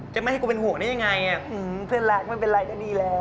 แกไม่ให้กูเป็นหัวนี่ยังไงอ่ะเพื่อนรักมันเป็นไรก็ดีแล้ว